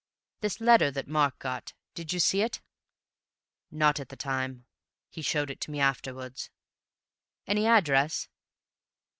This letter that Mark got—did you see it?" "Not at the time. He showed it to me afterwards." "Any address?"